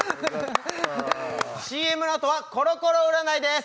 ＣＭのあとはコロコロ占いです